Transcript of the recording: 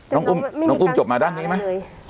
น้องอุ้มน้องอุ้มจบมาด้านนี้ไหม